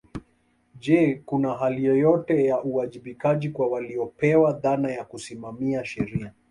Je kuna hali yoyote ya uwajibikaji kwa waliopewa dhana ya kusimamia sheria